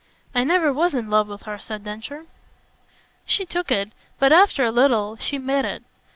"I never was in love with her," said Densher. She took it, but after a little she met it.